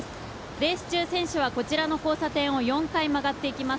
レース中、選手はこちらの交差点を４回曲がっていきます。